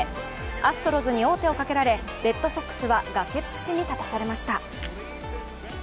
アストロズに王手をかけられ、レッドソックスは崖っぷちに立たされました。